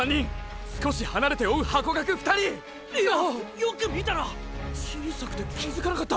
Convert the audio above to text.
よく見たら小さくて気づかなかった！！